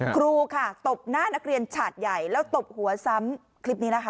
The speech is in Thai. ครูค่ะตบหน้านักเรียนฉาดใหญ่แล้วตบหัวซ้ำคลิปนี้นะคะ